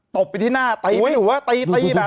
ตอบไปที่หน้าตีไปหัวตีแบบนี้นะฮะ